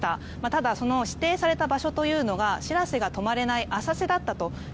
ただ、その指定された場所が「しらせ」が泊まれない浅瀬だったと。